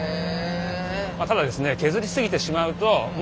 ただですね